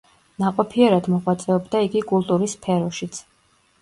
ნაყოფიერად მოღვაწეობდა იგი კულტურის სფეროშიც.